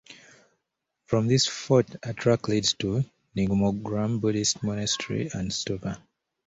From this fort a track leads to Nimogram Buddhist Monastery and Stupa.